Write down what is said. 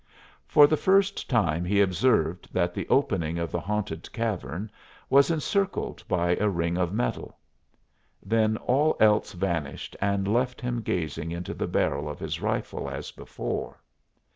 For the first time he observed that the opening of the haunted cavern was encircled by a ring of metal. Then all else vanished and left him gazing into the barrel of his rifle as before.